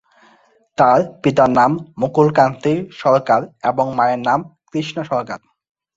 তার পিতার নাম মুকুল কান্তি সরকার এবং মায়ের নাম কৃষ্ণা সরকার।